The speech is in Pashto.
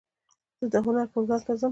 زه د هنر پروګرام ته ځم.